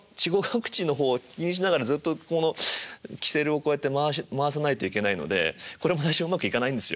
淵の方を気にしながらずっとこのきせるをこうやって回さないといけないのでこれも最初うまくいかないんですよ。